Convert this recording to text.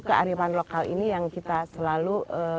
kearifan lokal ini yang kita selalu